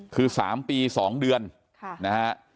คือ๓ปี๒เดือนนะฮะ